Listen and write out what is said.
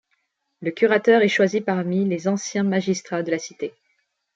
Le curateur est choisi parmi les anciens magistrats de la cité.